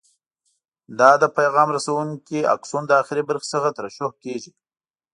دا د پیغام رسونکي آکسون د اخري برخې څخه ترشح کېږي.